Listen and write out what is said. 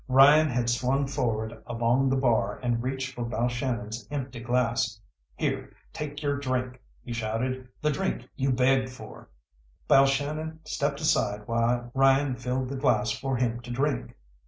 Ryan had swung forward along the bar, and reached for Balshannon's empty glass. "Here, take your drink," he shouted, "the drink you begged for!" Balshannon stepped aside while Ryan filled the glass for him to drink.